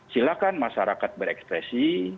silakan masyarakat berekspresi